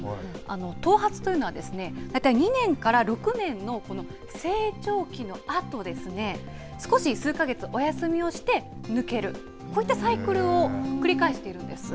頭髪というのは、大体２年から６年のこの成長期のあとですね、少し数か月お休みをして抜ける、こういったサイクルを繰り返しているんです。